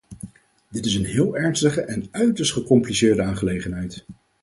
Dit is een heel ernstige en uiterst gecompliceerde aangelegenheid.